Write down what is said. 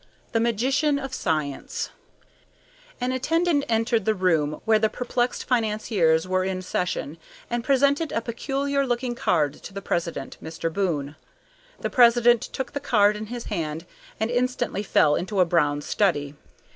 II THE MAGICIAN OF SCIENCE An attendant entered the room where the perplexed financiers were in session and presented a peculiar looking card to the president, Mr. Boon. The president took the card in his hand and instantly fell into a brown study.